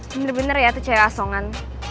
bener bener ya tuh cewek asongan